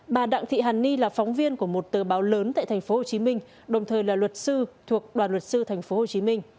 bà đặng thị hàn ni là phóng viên của một tờ báo lớn tại tp hcm đồng thời là luật sư thuộc đoàn luật sư tp hcm